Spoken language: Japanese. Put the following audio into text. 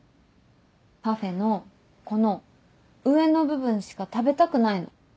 パフェのこの上の部分しか食べたくないの。